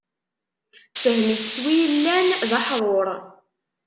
Fehm-itt s wi illan d aḥrur.